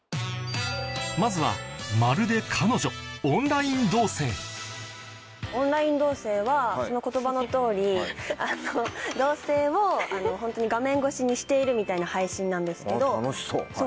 まずはオンライン同棲はその言葉の通り同棲を画面越しにしているみたいな配信なんですけど。